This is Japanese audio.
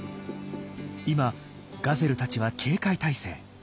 今ガゼルたちは警戒態勢。